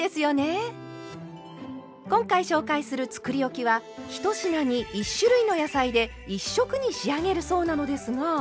今回紹介するつくりおきは１品に１種類の野菜で１色に仕上げるそうなのですが。